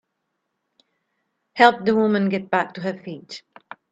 Help the woman get back to her feet.